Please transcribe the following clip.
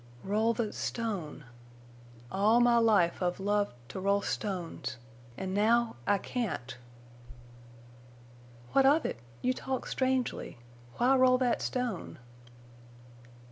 "Roll the—stone!... All my—life I've loved—to roll stones—en' now I—can't!" "What of it? You talk strangely. Why roll that stone?"